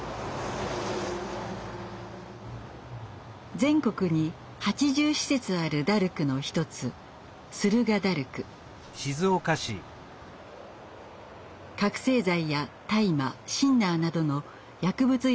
全国に８０施設あるダルクの一つ覚せい剤や大麻シンナーなどの薬物依存症の人たち